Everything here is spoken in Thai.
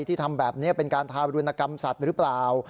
ทำแบบนี้เป็นการทารุณกรรมสัตว์หรือเปล่า